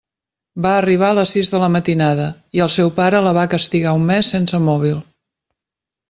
Va arribar a les sis de la matinada i el seu pare la va castigar un mes sense mòbil.